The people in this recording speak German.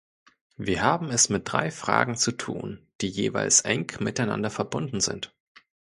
Wir haben es mit drei Fragen zu tun, die jeweils eng miteinander verbunden sind.